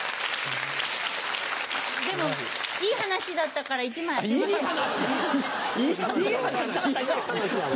でもいい話だったから１枚あげます。